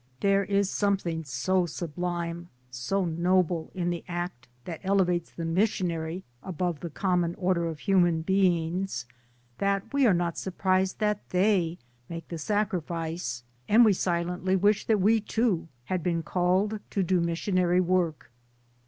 There is something so sublime, so noble in the act that elevates the missionary above the common order of human beings that we are not surprised that they make the sacrifice, and we silently wish that w^e, too, had been called to do mission ary work.